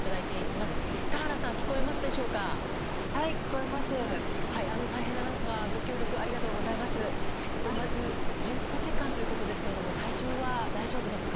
まず、１９時間ということですが体調は大丈夫ですか？